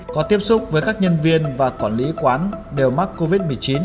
có tiếp xúc với các nhân viên và quản lý quán đều mắc covid một mươi chín